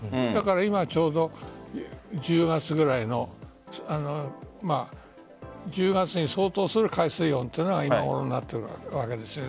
今、ちょうど１０月くらいの１０月に相当する海水温が今頃になっているわけですよね。